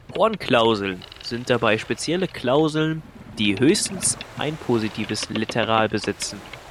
Horn-Klauseln sind dabei spezielle Klauseln, die höchstens ein positives Literal besitzen.